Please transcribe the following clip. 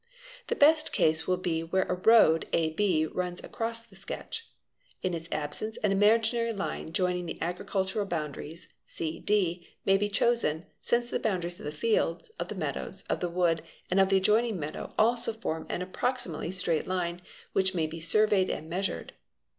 The best case will be where a road @ 6 runs across the sketch. In | its absence an imaginary line joining the agricultural boundaries, ¢ d } may be chosen, since the boundaries of the fields, of the meadows, of the wood, and of the adjoining meadow also form an approximately straight line which may be surveyed and measured.